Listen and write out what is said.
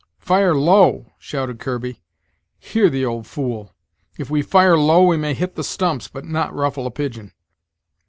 "Fire low!" shouted Kirby; "hear the old fool! If we fire low, we may hit the stumps, but not ruffle a pigeon."